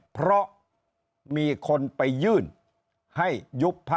เพราะมีคนไปยื่นให้ยุบพัก